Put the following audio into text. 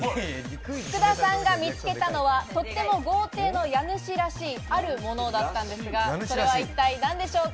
福田さんが見つけたのはとっても豪邸の家主らしい、あるものだったんですが、それは一体何でしょうか？